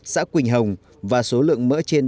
xã quỳnh hồng và số lượng mỡ trên